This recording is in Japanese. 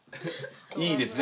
いいですね